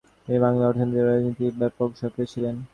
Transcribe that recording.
তিনি বাংলার অর্থনীতি ও রাজনীতি সঙ্গে ব্যাপকভাবে সক্রিয় ছিলেন।